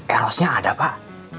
elosnya ada pak